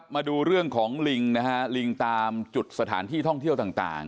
มาดูเรื่องของลิงนะฮะลิงตามจุดสถานที่ท่องเที่ยวต่าง